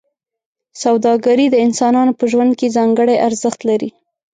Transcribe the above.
سوداګري د انسانانو په ژوند کې ځانګړی ارزښت لري.